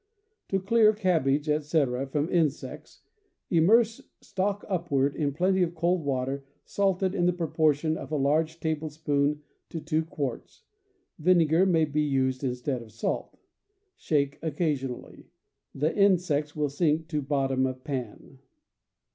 To clear cabbage, etc., from insects, immerse, stalk upward, in plenty of cold water salted in the proper CAMP COOKERY 153 tion of a large tablespoonful to two quarts; vinegar may be used instead of salt. Shake occasionally. The insects will sink to bottom of pan.